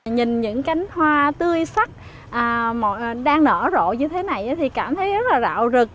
nhìn những cánh hoa tươi sắc đang nở rộ như thế này thì cảm thấy rất là rạo rực